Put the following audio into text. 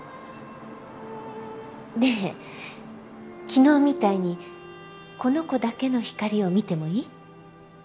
ねえ昨日みたいにこの子だけの光を見てもいい？